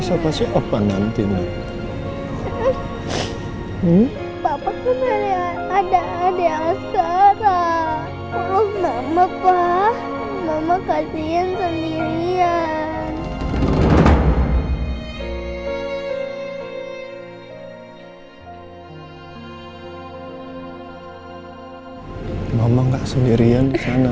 sampai jumpa di video selanjutnya